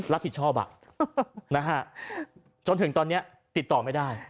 รับผิดชอบอ่ะนะฮะจนถึงตอนนี้ติดต่อไม่ได้